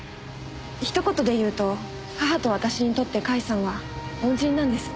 ひと言で言うと母と私にとって甲斐さんは恩人なんです。